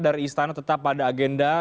dari istana tetap ada agenda